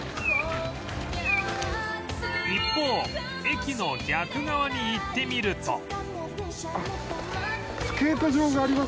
一方駅の逆側に行ってみると